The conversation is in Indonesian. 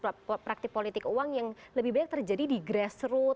kita akan membahas praktik politik uang yang lebih banyak terjadi di grassroot